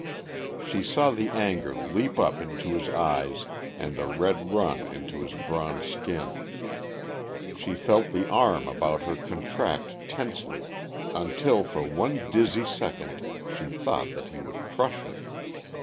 She saw the anger leap up into his eyes and the red run into his bronzed skin, she felt the arm about her contract tensely until for one dizzy second she thought that he would crush her.